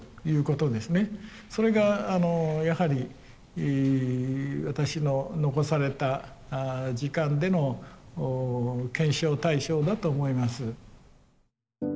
それがやはり私の残された時間での検証対象だと思います。